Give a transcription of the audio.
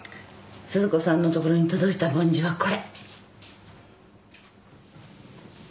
鈴子さんのところに届いた梵字はこれ。